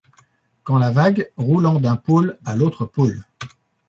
Quand la vague, roulant d'un pôle à l'autre pôle